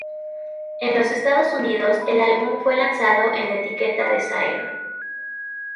En los Estados Unidos, el álbum fue lanzado en la etiqueta de Sire.